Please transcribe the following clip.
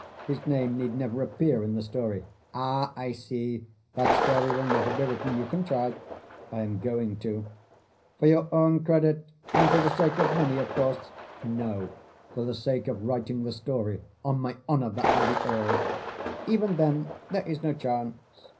His name need never appear in the story. ŌĆØ ŌĆ£Ah! I see. That story will never be written. You can try. ŌĆØ ŌĆ£I am going to. ŌĆØ ŌĆ£For your own credit and for the sake of money, of course? ŌĆØ ŌĆ£No. For the sake of writing the story. On my honor that will be all. ŌĆØ ŌĆ£Even then there is no chance.